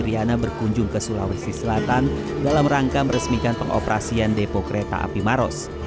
riana berkunjung ke sulawesi selatan dalam rangka meresmikan pengoperasian depo kereta api maros